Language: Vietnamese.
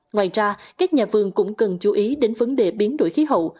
ngoài ra các nhà vườn cũng cần chú ý đến vấn đề biến đổi khí hậu